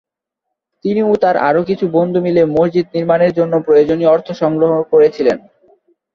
তিনি ও তার আরো কিছু বন্ধু মিলে মসজিদ নির্মাণের জন্য প্রয়োজনিয় অর্থ সংগ্রহ করেছিলেন।